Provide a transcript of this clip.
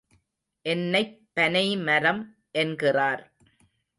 என்னைப் பனைமரம் என்கிறார்.